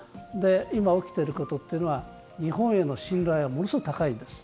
今、起きていることは日本への信頼はものすごく高いんです。